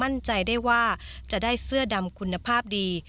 มั่นใจได้ว่าจะได้เสื้อดำคุณภาพดี